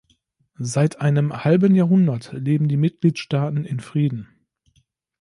Seit einem halben Jahrhundert leben die Mitgliedstaaten in Frieden.